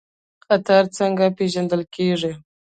خطر څنګه پیژندل کیږي؟